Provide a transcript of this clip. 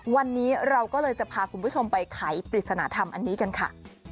วันนี้เราก็เลยจะพาคุณผู้ชมไปไขปริศนธรรมอันนี้กันค่ะ